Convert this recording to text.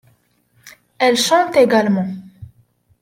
Elle chante également.